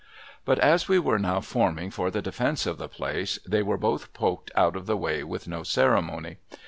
But, as we were now forming for the defence of the place, they were both poked out of the way with no ceremony.